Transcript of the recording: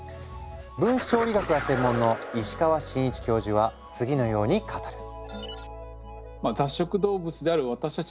分子調理学が専門の石川伸一教授は次のように語る。